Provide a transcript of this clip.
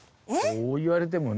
そう言われてもね。